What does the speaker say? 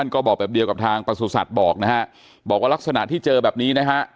ก็บอกแบบเดียวกับทางประสุทธิ์บอกนะฮะบอกว่าลักษณะที่เจอแบบนี้นะฮะ